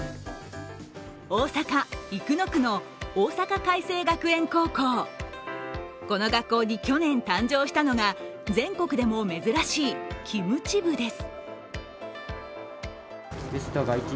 大阪・生野区の大阪偕星学園高校この学校に去年、誕生したのが全国でも珍しいキムチ部です。